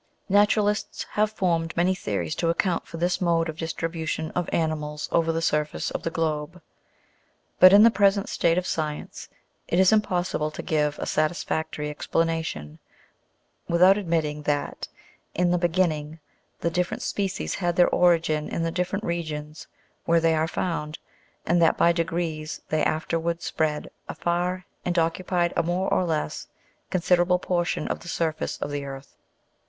Naturalists have formed many theories to account for this mode of distribution of animals over the surface of the globe ; but, in the present state of science, it is impossible to give a satisfactory explanation, without admitting that, in the beginning, the different species had their origin in the different regions where they are found, and that by degrees they afterwards spread afar and occu pied a more or less considerable portion of the surface of the earth.